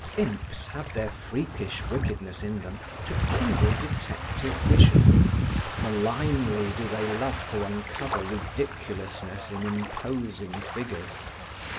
Imps have their freakish wickedness in them to kindle detective vision: malignly do they love to uncover ridiculousness in imposing figures.